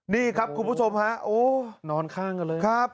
นี่ครับคุณผู้ชมฮะโอ้นอนข้างกันเลยครับ